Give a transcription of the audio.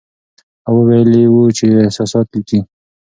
هوا ویلي وو چې احساسات لیکي.